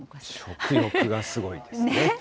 食欲がすごいですね。